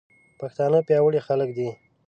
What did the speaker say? پښتانه پياوړي خلک دي.